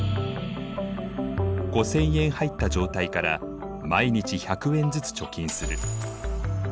５０００円入った状態から毎日１００円ずつ貯金する。